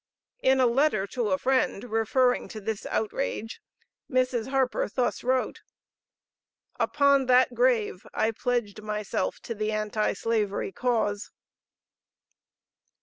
In a letter to a friend referring to this outrage, Mrs. Harper thus wrote: "Upon that grave I pledged myself to the Anti Slavery cause."